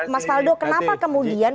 mas faldo kenapa kemudian